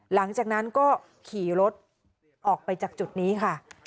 หลังจากนั้นก็ขี่รถออกไปจากจุดนี้ค่ะ